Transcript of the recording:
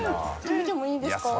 見てもいいですか？